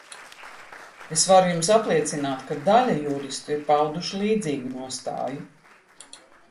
Es varu jums apliecināt, ka daļa juristu ir pauduši līdzīgu nostāju.